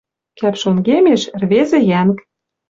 «Кӓп шонгемеш — ӹрвезӹ йӓнг».